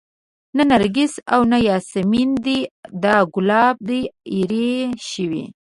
نه نرګس او نه ياسمن دى دا ګلاب دى ايرې شوى